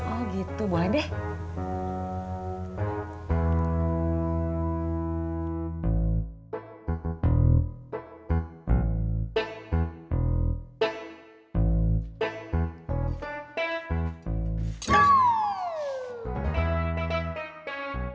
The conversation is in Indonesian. oh gitu boleh deh